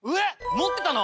持ってたの？